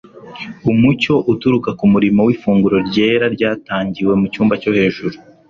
Umucyo uturuka ku murimo w'ifunguro ryera ryatangiwe mu cyumba cyo hejuru,